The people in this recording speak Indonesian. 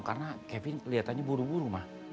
karena kevin kelihatannya buru buru ma